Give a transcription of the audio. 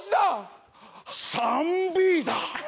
３Ｂだ。